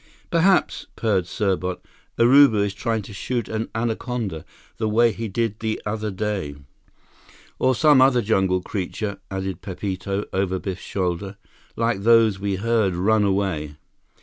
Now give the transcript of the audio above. "Perhaps," purred Serbot, "Urubu is trying to shoot an anaconda, the way he did the other day." "Or some other jungle creature," added Pepito, over Biff's shoulder, "like those that we heard run away."